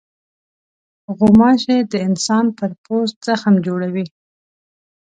غوماشې د انسان پر پوست زخم جوړوي.